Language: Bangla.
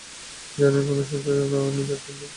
জানেন, উনার সাথে না আমি ডেট করতাম?